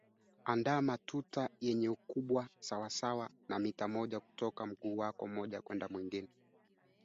Wanyama wachache wachanga hufa kutokana na matatizo ya moyo Ndama wenye umri wa chini